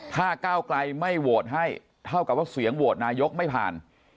ถ้าก้าวไกลไม่โหวตให้เท่ากับว่าเสียงโหวตนายกไม่ผ่าน